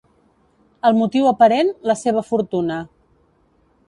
El motiu aparent: la seva fortuna.